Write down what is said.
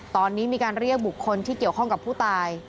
ตอนนี้มีการเรียกบุคคลที่เกี่ยวข้องกับผู้ตาย